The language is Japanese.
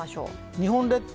日本列島